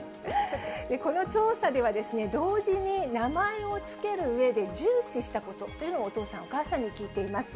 この調査では、同時に名前を付けるうえで、重視したことというのをお父さん、お母さんに聞いています。